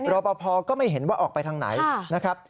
รอพอพอก็ไม่เห็นว่าออกไปทางไหน